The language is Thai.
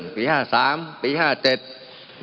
มันมีมาต่อเนื่องมีเหตุการณ์ที่ไม่เคยเกิดขึ้น